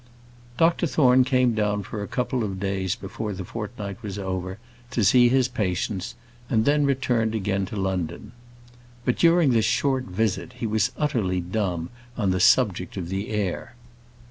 Dr Thorne came down for a couple of days before the fortnight was over to see his patients, and then returned again to London. But during this short visit he was utterly dumb on the subject of the heir.